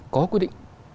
có quy định